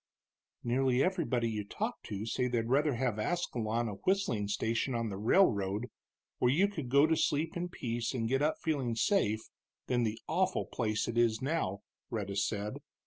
"Nearly everybody you talk to say they'd rather have Ascalon a whistling station on the railroad, where you could go to sleep in peace and get up feeling safe, than the awful place it is now," Rhetta said.